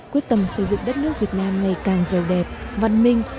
quyết tâm xây dựng đất nước việt nam ngày càng giàu đẹp văn minh